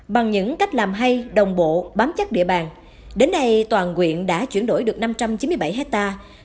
bằng những cách làm hay đồng bộ bám chắc địa bàn đến nay toàn quyện đã chuyển đổi được năm trăm chín mươi bảy hectare